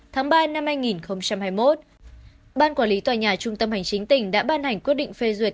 tháng ba năm hai nghìn hai mươi một ban quản lý tòa nhà trung tâm hành chính tỉnh đã ban hành quyết định phê duyệt